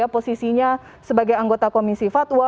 posisinya sebagai anggota komisi fatwa